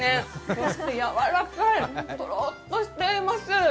そしてやわらかい、トロッとしています。